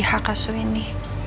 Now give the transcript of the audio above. bagi hak asu ini